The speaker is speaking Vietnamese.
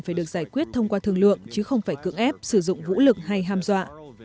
phải được giải quyết thông qua thường lượng chứ không phải cự ép sử dụng vũ lực hay hàm dọa